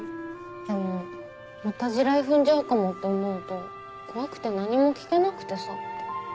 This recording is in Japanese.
でもまた地雷踏んじゃうかもって思うと怖くて何も聞けなくてさ。